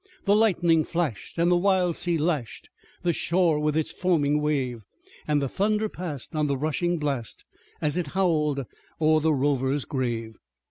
The lightning flashed and the wild sea lashed The shore with its foaming wave, And the thunder passed on the rushing blast, As it howled o'er the rover's grave.